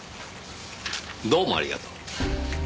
どうもありがとう。